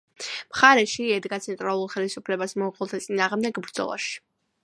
მხარში ედგა ცენტრალურ ხელისუფლებას მონღოლთა წინააღმდეგ ბრძოლაში.